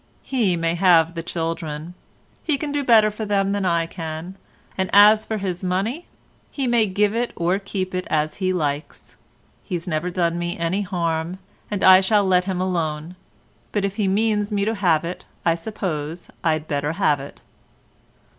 He may have the children; he can do better for them than I can; and as for his money, he may give it or keep it as he likes, he's never done me any harm, and I shall let him alone; but if he means me to have it, I suppose I'd better have it."